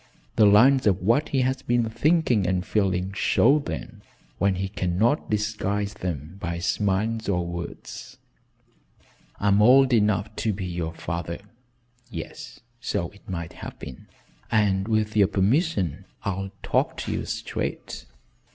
The lines of what he has been thinking and feeling show then when he cannot disguise them by smiles or words. I'm old enough to be your father yes so it might have been and with your permission I'll talk to you straight."